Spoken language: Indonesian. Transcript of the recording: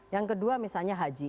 yang kedua misalnya haji